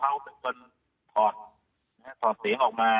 เขาเป็นคนถอดถอดเสียงออกมา